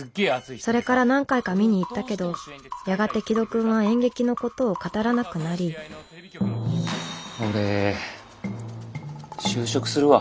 それから何回か見に行ったけどやがて紀土くんは演劇のことを語らなくなり俺就職するわ。